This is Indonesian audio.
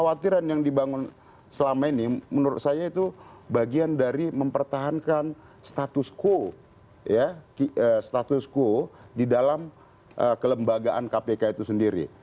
kekhawatiran yang dibangun selama ini menurut saya itu bagian dari mempertahankan status quo status quo di dalam kelembagaan kpk itu sendiri